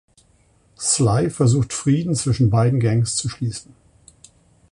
Sly versucht Frieden zwischen beiden Gangs zu schließen.